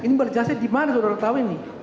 ini membalas jasa di mana saudara tahu ini